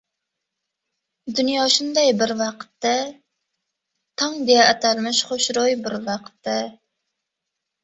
Dunyo shunday bir vaqtda… tong deya atalmish xushro‘y bir vaqtda…